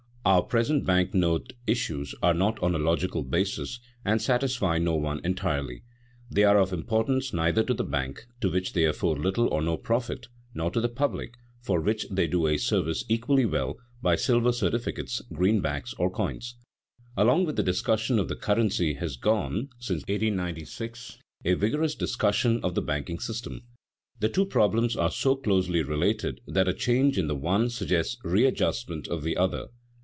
Our present bank note issues are not on a logical basis, and satisfy no one entirely. They are of importance neither to the bank, to which they afford little or no profit, nor to the public, for which they do a service equally well done by silver certificates, greenbacks, or coins. [Sidenote: Suggested reforms of the bank note system] Along with the discussion of the currency has gone, since 1896, a vigorous discussion of the banking system. The two problems are so closely related that a change in the one suggests readjustment of the other.